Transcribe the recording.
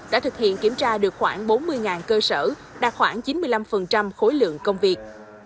đã thực hiện kiểm tra được khoảng bốn mươi cơ sở đạt khoảng chín mươi năm khối lượng công việc